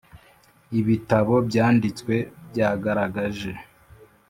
ibitabo byanditswe byagaragaje